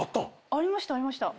ありましたありました。